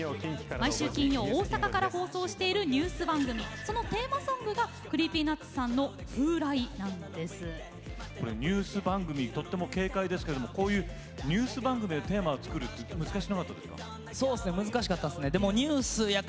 毎週金曜日大阪から放送しているニュース番組そのテーマソングがＣｒｅｅｐｙＮｕｔｓさんのニュースの番組にとても軽快ですけれどニュース番組のテーマを作るの難しくなかったですか？